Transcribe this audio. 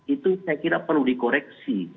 itu saya kira perlu dikoreksi